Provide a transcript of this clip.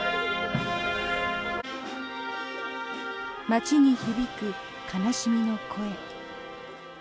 街に響く、悲しみの声。